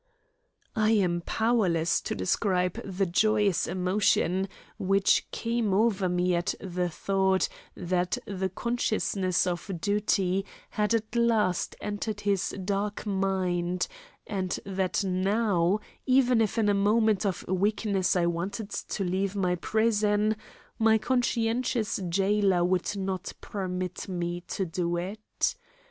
I am powerless to describe the joyous emotion which came over me at the thought that the consciousness of duty had at last entered his dark mind, and that now, even if in a moment of weakness I wanted to leave my prison, my conscientious jailer would not permit me to do it.